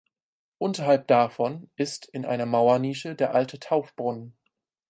Unterhalb davon ist in einer Mauernische der alte Taufbrunnen.